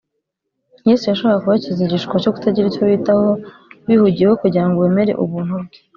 yesu yashakaga kubakiza igishuko cyo kutagira icyo bitaho bihugiyeho kugira ngo bemere ubuntu bwe